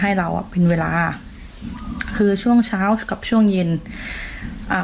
ให้เราอ่ะเป็นเวลาคือช่วงเช้ากับช่วงเย็นอ่า